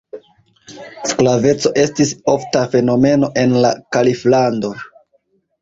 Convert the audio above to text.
Sklaveco estis ofta fenomeno en la Kaliflando.